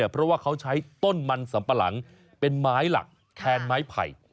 เพราะว่าเขาใช้ต้นมันสัมปะหลังเป็นไม้หลักแทนไม้ไผ่